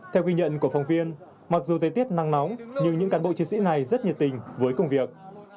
theo ghi nhận của phòng viên mặc dù tế tiết năng nóng nhưng những cán bộ chiến sĩ này rất nhiệt tình với công việc